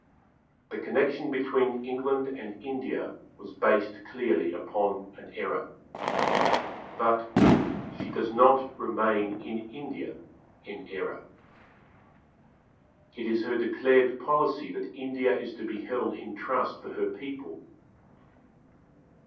The connection between England and India was based clearly upon an error. But she does not remain in India in error. It is her declared policy that India is to be held in trust for her people.